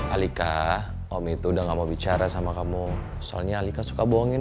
alika om itu udah gak mau bicara sama kamu soalnya alika suka bohongin